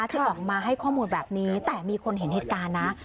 ที่ออกมาให้ข้อมูลแบบนี้แต่มีคนเห็นเหตุการณ์นะ